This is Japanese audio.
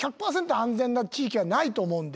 安全な地域はないと思うんで。